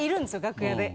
楽屋で。